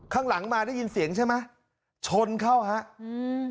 ข้างหลังมาได้ยินเสียงใช่ไหมชนเข้าฮะอืม